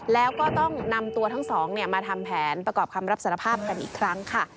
แล้วก็ต้องนำตัวทั้งสองมาทำแผนประกอบคำรับสารภาพกันอีกครั้งค่ะ